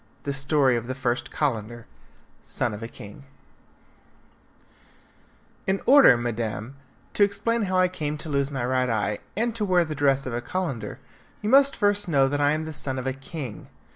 The Story of the First Calender, Son of a King In order, madam, to explain how I came to lose my right eye, and to wear the dress of a Calender, you must first know that I am the son of a king.